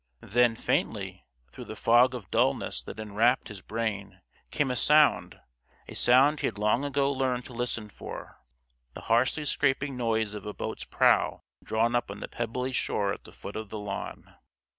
Then faintly, through the fog of dullness that enwrapped his brain, came a sound a sound he had long ago learned to listen for. The harshly scraping noise of a boat's prow drawn up on the pebbly shore at the foot of the lawn.